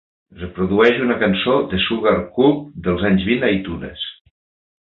Reprodueix una cançó de Sugarcult dels anys vint a Itunes